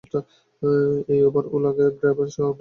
এই Uber, Ola cab driver হলে আপনার কোন আপত্তি আছে?